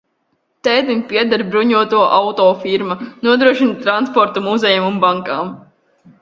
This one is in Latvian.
Tētim pieder bruņoto auto firma, nodrošina transportu muzejiem un bankām.